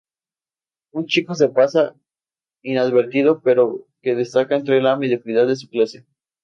Un chico que pasa inadvertido pero que destaca entre la mediocridad de su clase.